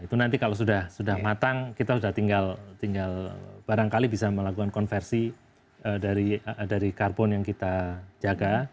itu nanti kalau sudah matang kita sudah tinggal barangkali bisa melakukan konversi dari karbon yang kita jaga